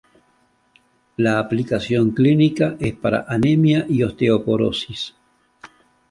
La aplicación clínica es para anemia y osteoporosis.